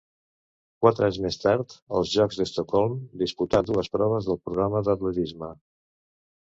Quatre anys més tard, als Jocs d'Estocolm, disputà dues proves del programa d'atletisme.